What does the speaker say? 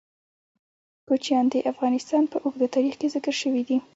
کوچیان د افغانستان په اوږده تاریخ کې ذکر شوی دی.